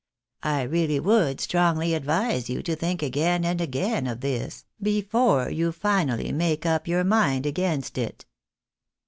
I really would strongly advise you to think again and again of this, before you finally make up your mind against it."